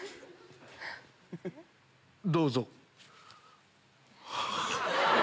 どうぞ。